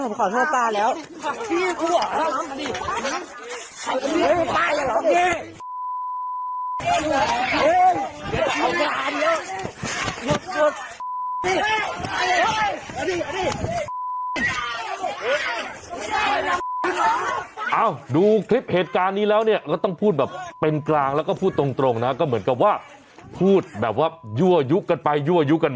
ไม่ต้องไม่ต้องไม่ต้องไม่ต้องไม่ต้องไม่ต้องไม่ต้องไม่ต้อง